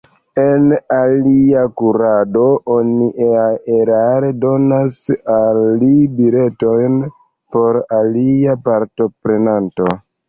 En alia kurado, oni erare donas al li biletojn por alia partoprenanto.